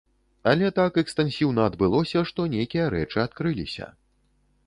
Але так экстэнсіўна адбылося, што нейкія рэчы адкрыліся.